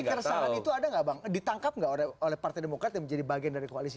tapi keresahan itu ada gak bang ditangkap gak oleh partai demokrat yang menjadi partai demokrasi